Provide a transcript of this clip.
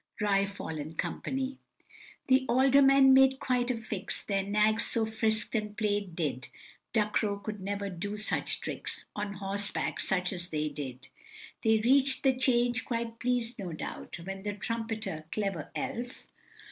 Ri fol, &c. The aldermen made quite a fix, Their nags so frisk'd and play'd did, Ducrow could never do such tricks On horsehack such as they did. They reach'd the 'Change, quite pleas'd, no doubt, When the trumpeter, clever elf!